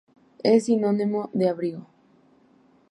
Es sinónimo de abrigo.